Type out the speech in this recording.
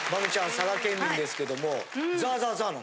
佐賀県民ですけどもザーザーザーなの？